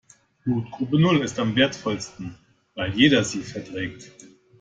Blutgruppe Null ist am wertvollsten, weil jeder sie verträgt.